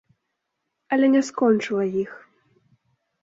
Але не скончыла іх.